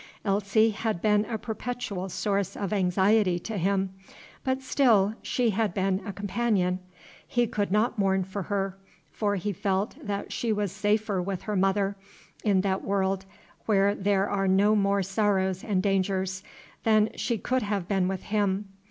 Elsie had been a perpetual source of anxiety to him, but still she had been a companion. He could not mourn for her; for he felt that she was safer with her mother, in that world where there are no more sorrows and dangers, than she could have been with him.